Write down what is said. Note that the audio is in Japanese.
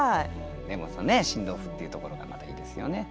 でも「新豆腐」っていうところがまたいいですよね。